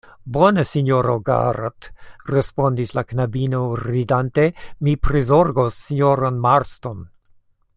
Bone, sinjoro Garrat, respondis la knabino, ridante, mi prizorgos sinjoron Marston.